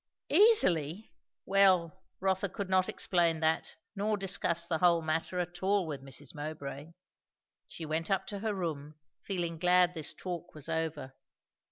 Easily! Well, Rotha could not explain that, nor discuss the whole matter at all with Mrs. Mowbray. She went up to her room, feeling glad this talk was over.